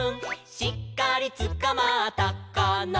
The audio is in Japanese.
「しっかりつかまったかな」